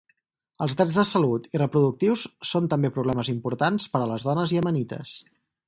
Els drets de salut i reproductius són també problemes importants per a les dones iemenites.